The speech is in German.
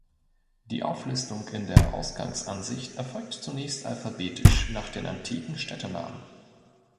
Die Auflistung in der Ausgangsansicht erfolgt zunächst alphabetisch nach den antiken Städtenamen.